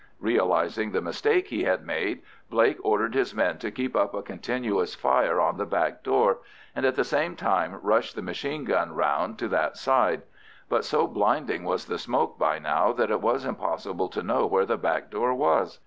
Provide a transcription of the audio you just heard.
Realising the mistake he had made, Blake ordered his men to keep up a continuous fire on the back door, and at the same time rushed the machine gun round to that side; but so blinding was the smoke by now that it was impossible to know where the back door was.